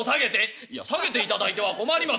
「いや下げていただいては困ります」。